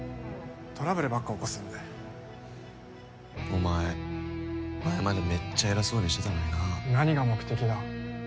トラブルばっか起こすんでお前前までめっちゃ偉そうにしてたのにな何が目的だ